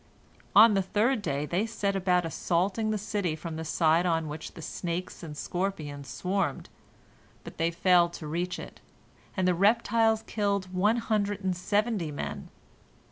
On the third day they set about assaulting the city from the side on which the snakes and scorpions swarmed, but they failed to reach it, and the reptiles killed one hundred and seventy men.